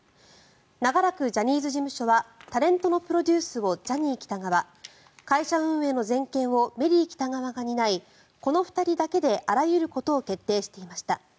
長らくジャニーズ事務所はタレントのプロデュースをジャニー喜多川会社運営の全権をメリー喜多川が担いこの２人だけであらゆることを決定していました